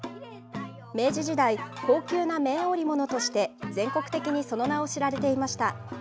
明治時代、高級な綿織物として全国的にその名を知られていました。